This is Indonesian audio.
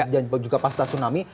dan juga pasca tsunami